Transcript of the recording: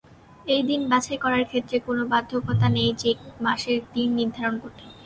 এই 'দিন' বাছাই করার ক্ষেত্রে কোনো বাধ্যবাধকতা নেই যে, কোন মাসে দিন নির্ধারণ করতে হবে।